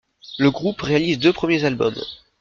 Le groupe réalise deux premiers albums.